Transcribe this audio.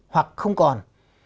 hoặc không còn